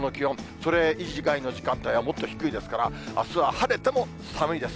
それ以外の時間帯はもっと低いですから、あすは晴れても寒いです。